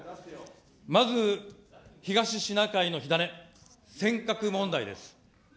まず東シナ海の火種、尖閣問題です。